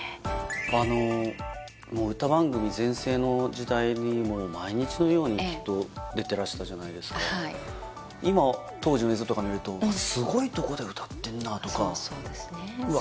あのもう歌番組全盛の時代にもう毎日のようにずっと出てらしたじゃないですかはい今当時の映像とか見るとすごいとこで歌ってんなとかそうそうですねうわ